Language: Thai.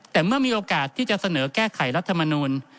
แต่เมื่อมีโอกาสที่จะเสนอแก้ไขรัฐมนูล